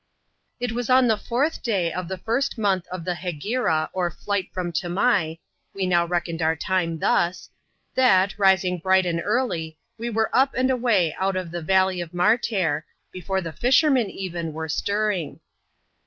It was on the fourth day of the first month of the Hegira, or Flight from Tamai (we now reckoned our time thus), that, rising bright and early, we were up and away out of the valley of Martair, before the fishermen even were stirring.